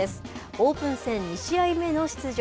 オープン戦２試合目の出場。